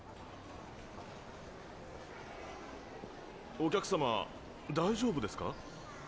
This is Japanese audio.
お客様大丈夫ですか？